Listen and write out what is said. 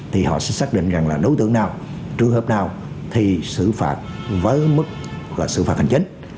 thì họ sẽ xác định rằng là đối tượng nào trường hợp nào thì xử phạt với mức là xử phạt hành chính